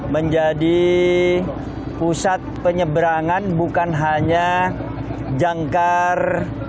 menjadi pusat penyeberangan bukan hanya jangkar